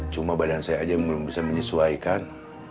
cuma badan saya aja yang belum bisa menyesuaikan